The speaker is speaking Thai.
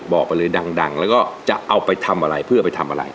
บอกไปเลยดังแล้วก็จะเอาไปทำอะไรเพื่อไปทำอะไร